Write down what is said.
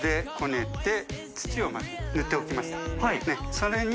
それに。